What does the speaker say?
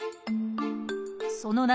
その夏